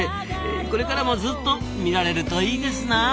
これからもずっと見られるといいですなあ。